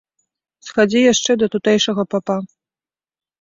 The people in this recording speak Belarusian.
Схадзі яшчэ да тутэйшага папа.